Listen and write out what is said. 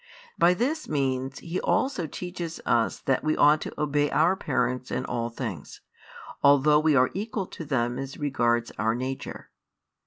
By this means He also |94 teaches us that we ought to obey our parents in all things, although we are equal to them as regards our nature.